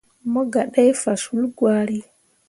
Mo gah ɗai faswulli gwari.